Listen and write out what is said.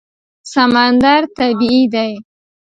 سمندر طبیعي دی.